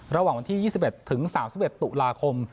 ระหว่างวันที่๒๑ถึง๓๑ตุลาคม